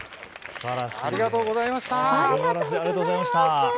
すばらしい、ありがとうございました。